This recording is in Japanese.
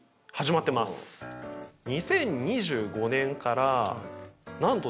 ２０２５年からなんとですね